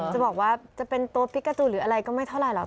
จะบอกว่าจะเป็นตัวปิกาจูหรืออะไรก็ไม่เท่าไหรหรอก